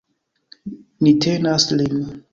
Ni tenas lin!